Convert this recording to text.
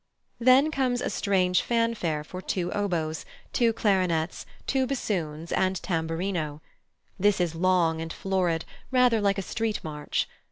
Then comes a strange fanfare for two oboes, two clarinets, two bassoons, and tamburino: this is long and florid, rather like a street march.